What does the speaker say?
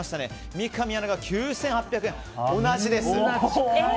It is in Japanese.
三上アナが９８００円で同じ。